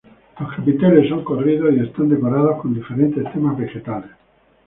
Los capiteles son corridos y están decorados con diferentes temas vegetales.